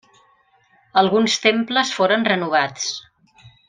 Alguns temples foren renovats.